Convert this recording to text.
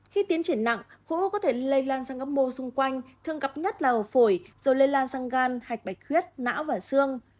khi tiến triển nặng khu u có thể lây lan sang gấp mô xung quanh thường gặp nhất là hồ phổi rồi lây lan sang gan hạch bạch khuyết não và xương